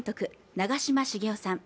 長嶋茂雄さん